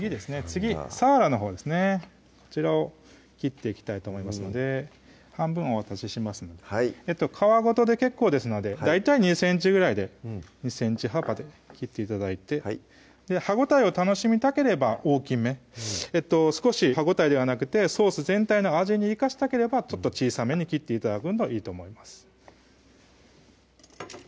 次さわらのほうですねこちらを切っていきたいと思いますので半分お渡ししますので皮ごとで結構ですので大体２ｃｍぐらいで２ｃｍ幅で切って頂いて歯応えを楽しみたければ大きめ少し歯応えではなくてソース全体の味に生かしたければちょっと小さめに切って頂くのがいいと思います